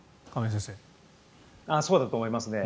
そうだと思いますね。